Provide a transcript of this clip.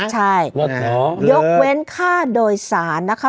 ใช่ยกเว้นค่าโดยสารนะคะ